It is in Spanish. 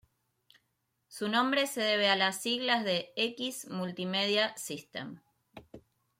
Su nombre se debe a las siglas de X MultiMedia System.